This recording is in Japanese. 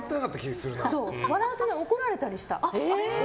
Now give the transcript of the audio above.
笑うと怒られたりした。